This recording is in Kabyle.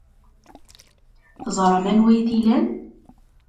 Teẓram anwa ay t-ilan.